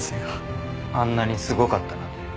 あんなにすごかったなんて。